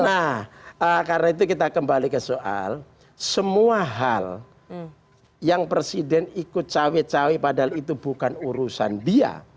nah karena itu kita kembali ke soal semua hal yang presiden ikut cawe cawe padahal itu bukan urusan dia